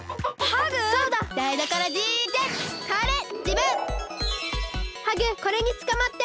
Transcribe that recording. ハグこれにつかまって！